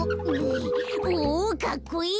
おかっこいい！